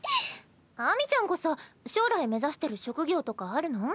秋水ちゃんこそ将来目指してる職業とかあるの？